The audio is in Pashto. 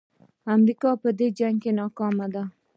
امریکا په دې جنګ کې ناکامه ده.